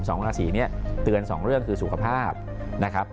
สองราศีนี้เตือนสองเรื่องคือสุขภาพนะครับ